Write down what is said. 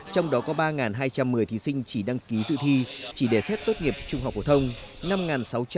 trong đó có ba hai trăm một mươi thí sinh chỉ đăng ký dự thi chỉ để xét tốt nghiệp trung học phổ thông